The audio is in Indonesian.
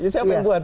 siapa yang buat